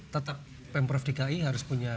tetap pemprov dki harus punya